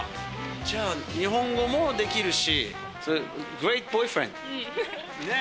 じゃあ、日本語もできるし。